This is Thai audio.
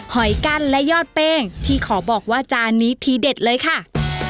หอยกั้นและยอดเป้งที่ขอบอกว่าจานนี้ทีเด็ดเลยค่ะ